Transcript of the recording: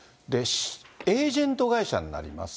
エージェント会社になります。